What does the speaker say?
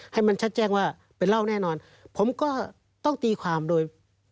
ให้มันชัดแจ้งว่าเป็นเหล้าแน่นอนผมก็ต้องตีความโดย